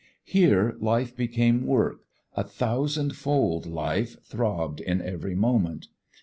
Here life became work; a thousandfold life throbbed in every moment.